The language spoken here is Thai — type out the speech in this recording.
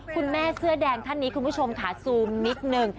คุณแม่เสื้อแดงท่านนี้คุณผู้ชมค่ะซูมนิดนึง